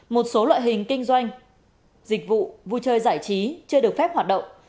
một số loại hình kinh doanh dịch vụ vui chơi giải trí chưa được phép hoạt động